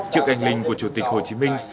trước anh linh của chủ tịch hồ chí minh